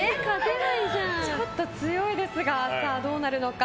ちょっと強いですがどうなるのか。